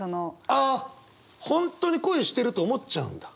ああ本当に恋してると思っちゃうんだ。